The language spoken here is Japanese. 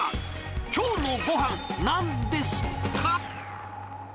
きょうのご飯、なんですか？